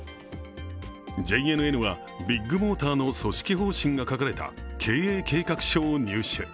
ＪＮＮはビッグモーターの組織方針が書かれた経営計画書を入手。